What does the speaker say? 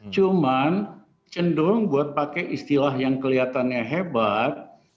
cuman cenderung buat pakai istilah yang kelihatannya hebat